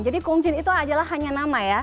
jadi kung chin itu adalah hanya nama ya